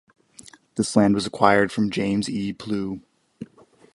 This land was acquired from James E. Plew.